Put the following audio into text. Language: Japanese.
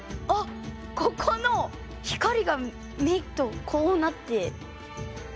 ここの光が目とこうなって。